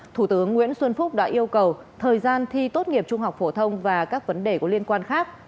thủ tướng nguyễn xuân phúc đã yêu cầu thời gian thi tốt nghiệp trung học phổ thông và các vấn đề có liên quan khác